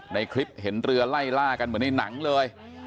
ในคลิปเห็นเรือไล่ล่ากันเหมือนในหนังเลย